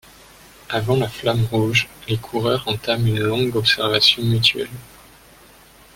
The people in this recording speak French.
Avant la flamme rouge, les coureurs entament une longue observation mutuelle.